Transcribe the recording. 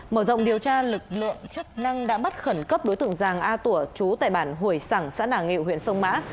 mở rộng điều tra lực lượng chất năng đã bắt khẩn cấp đối tượng giàng a tủa chú tại bản hồi sẵn sãn nà nghịu huyện sông mã